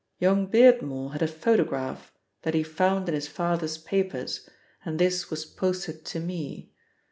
Young Beardmore had a photograph that he found in his father's papers and this was posted to me.